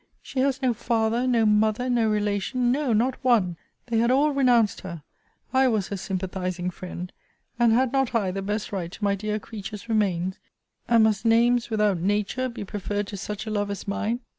She has no father, no mother, no relation; no, not one! They had all renounced her. I was her sympathizing friend And had not I the best right to my dear creature's remains? And must names, without nature, be preferred to such a love as mine?